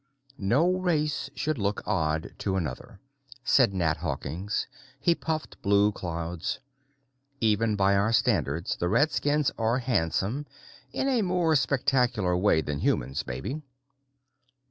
"No race should look odd to another," said Nat Hawkins. He puffed blue clouds. "Even by our standards, the redskins are handsome, in a more spectacular way than humans, maybe."